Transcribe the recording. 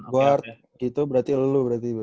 guard gitu berarti lu berarti